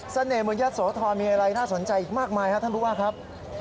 เมืองยะโสธรมีอะไรน่าสนใจอีกมากมายครับท่านผู้ว่าครับ